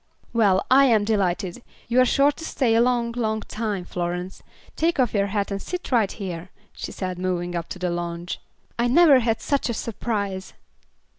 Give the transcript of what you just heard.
"Well, I am delighted. You are sure to stay a long, long time, Florence. Take off your hat and sit right here," she said, moving up on the lounge. "I never had such a surprise."